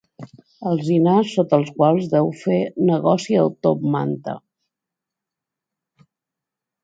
Alzinars sota els quals deu fer negoci el top manta.